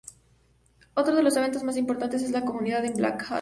Otro de los eventos más importantes en la comunidad es Black Hat.